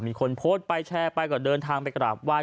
มีคนโพสต์ไปแชร์ไปก็เดินทางไปกราบไห้